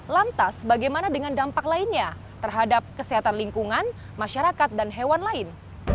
lantas bagaimana dengan dampak lainnya terhadap kesehatan lingkungan masyarakat dan hewan lain